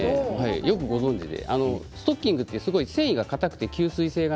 よくご存じで。